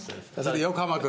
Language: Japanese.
横浜君。